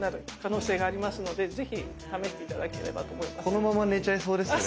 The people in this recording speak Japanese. このまま寝ちゃいそうですよね。